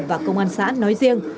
và công an xã nói riêng